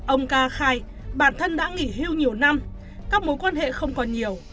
ông ca khai bản thân đã nghỉ hưu nhiều năm các mối quan hệ không còn nhiều